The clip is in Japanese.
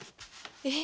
え？